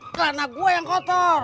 karena gua yang kotor